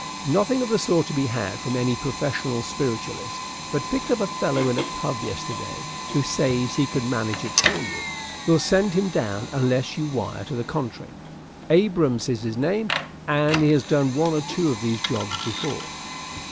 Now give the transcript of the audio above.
"Nothing of the sort to be had from any professional spiritualist, but picked up a fellow in a pub yesterday who says he can manage it for you. Will send him down unless you wire to the contrary. Abrahams is his name, and he has done one or two of these jobs before."